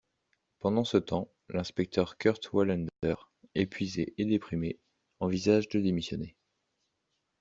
Pendant ce temps, l'inspecteur Kurt Wallander, épuisé et déprimé, envisage de démissionner.